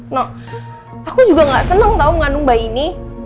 no aku juga gak seneng tau mengandung bayi ini